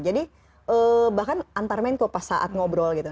jadi bahkan antar menko pas saat ngobrol gitu